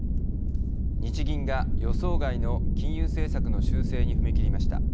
日銀が予想外の金融政策の修正に踏み切りました。